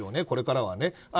これからはね。